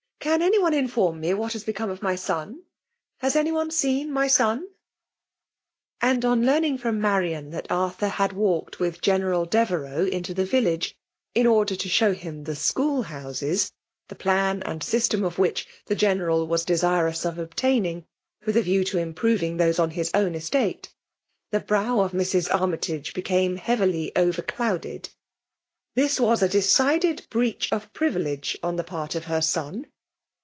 Can any one inform me what has become of my son ? Has any one seen my son V* And on learning from Marian that Arthur had walked with General Dererenx into the village, in order to show him the school houses, the plan and system of which the General was desirous of obtaining, with a view to improving those on his own estate, the brow of Mrs: Armytage became heavily overclouded. This was a decided breach of privilege on the part of her won